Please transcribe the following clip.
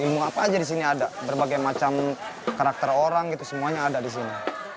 ilmu apa aja di sini ada berbagai macam karakter orang gitu semuanya ada di sini